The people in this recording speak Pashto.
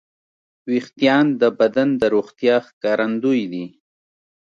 وېښتيان د بدن د روغتیا ښکارندوی دي.